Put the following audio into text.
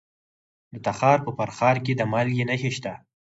د تخار په فرخار کې د مالګې نښې شته.